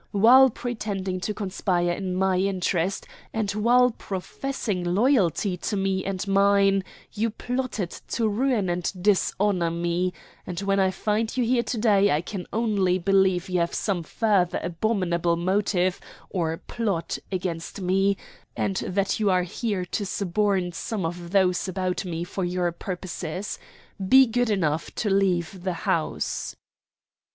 While pretending to conspire in my interest, and while professing loyalty to me and mine, you plotted to ruin and dishonor me; and when I find you here to day I can only believe you have some further abominable motive or plot against me, and that you are here to suborn some of those about me for your purposes. Be good enough to leave the house."